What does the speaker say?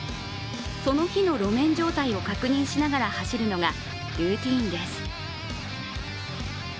その日の路面状態を確認しながら走るのがルーティーンです。